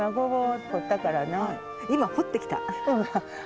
今掘ってきた？